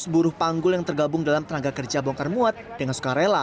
lima ratus buruh panggul yang tergabung dalam tenaga kerja bongkar muat dengan sukarela